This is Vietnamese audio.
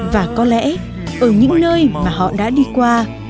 và có lẽ ở những nơi mà họ đã đi qua